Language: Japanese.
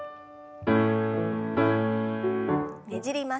ねじります。